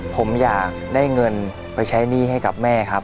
ผมอยากได้เงินไปใช้หนี้ให้กับแม่ครับ